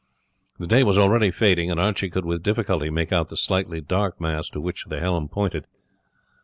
The day was already fading, and Archie could with difficulty make out the slightly dark mass to which the helm pointed.